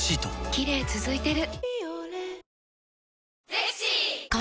キレイ続いてる！